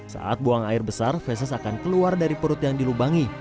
saat buang air besar fesis akan keluar dari perut yang dilubangi